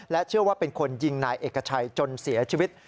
เชื่อว่าเป็นคนยิงนายเอกชัยจนเสียชีวิต